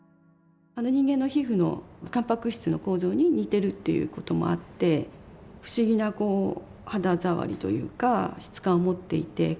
人間の皮膚のたんぱく質の構造に似てるっていうこともあって不思議なこう肌触りというか質感を持っていて。